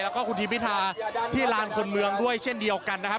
แล้วก็คุณทีมพิธาที่ลานคนเมืองด้วยเช่นเดียวกันนะครับ